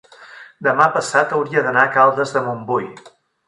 demà passat hauria d'anar a Caldes de Montbui.